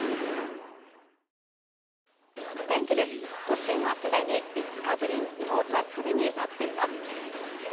都心はすでに５日ぶりの夏日になっています。